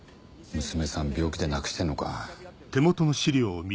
娘さん病気で亡くしてんのか。